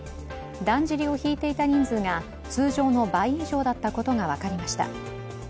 だんじりを引いていた人数が通常の倍以上だったことが分かりました。